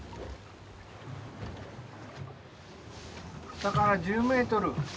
下から１０メートル。